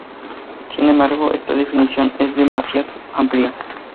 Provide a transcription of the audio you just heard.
Sin embargo, esta definición es demasiado amplia.